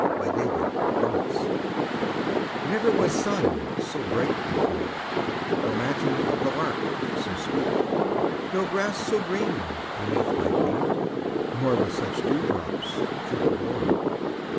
A SUMMER MORNING Never was sun so bright before, No matin of the lark so sweet, No grass so green beneath my feet, Nor with such dewdrops jewelled o'er.